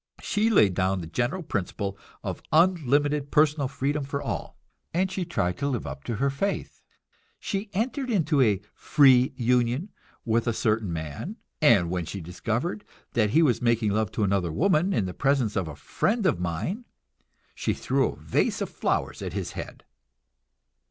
She laid down the general principle of unlimited personal freedom for all, and she tried to live up to her faith. She entered into a "free union" with a certain man, and when she discovered that he was making love to another woman, in the presence of a friend of mine she threw a vase of flowers at his head.